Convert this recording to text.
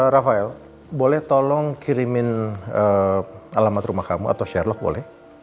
rafael boleh tolong kirimin alamat rumah kamu atau sherlock boleh